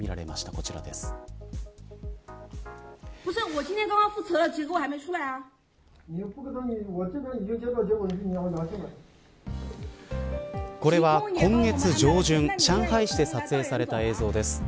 これは今月上旬上海市で撮影された映像です。